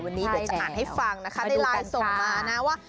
วันนี้เดี๋ยวจะอ่านให้ฟังนะคะในไลน์ส่งมานะว่า